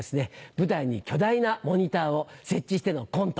舞台に巨大なモニターを設置してのコント。